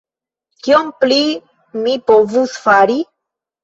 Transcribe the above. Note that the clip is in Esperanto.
Kion pli mi povus fari?